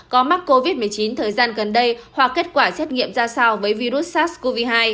có mắc covid một mươi chín thời gian gần đây hoặc kết quả xét nghiệm ra sao với virus sars cov hai